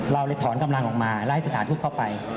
เราเลยถอนกำลังออกมาแล้วให้สถานทุกข์เข้าไป